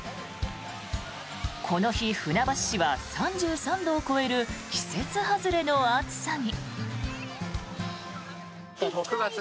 この日、船橋市は３３度を超える季節外れの暑さに。